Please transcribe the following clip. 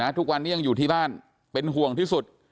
ทุกวันนี้ยังอยู่ที่บ้านเป็นห่วงที่สุด